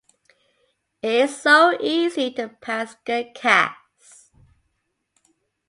It is so easy to pass good casts.